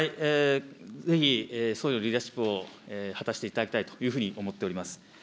ぜひ総理のリーダーシップを果たしていただきたいというふうに思っております。